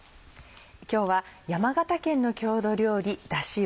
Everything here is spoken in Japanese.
今日は山形県の郷土料理だしを。